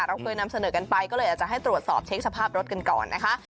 เราเคยนำเสนอกันไปก็เลยอยากจะให้ตรวจสอบเช็คสภาพรถกันก่อนนะคะ